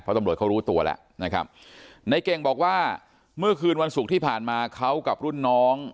ตำรวจเขารู้ตัวแล้วนะครับในเก่งบอกว่าเมื่อคืนวันศุกร์ที่ผ่านมาเขากับรุ่นน้อง